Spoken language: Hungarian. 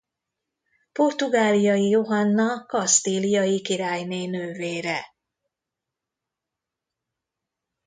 Portugáliai Johanna kasztíliai királyné nővére.